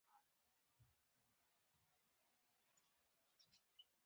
موږ له زحمت وروسته بریا مومو.